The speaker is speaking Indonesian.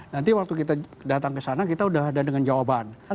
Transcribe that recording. nanti waktu kita datang ke sana kita sudah ada dengan jawaban